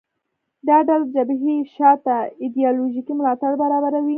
دا ډله د جبهې شا ته ایدیالوژیکي ملاتړ برابروي